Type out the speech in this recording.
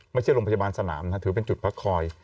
ไม่ใช่โรงพยาบาลสนามนะถือเป็นจุดพักคอย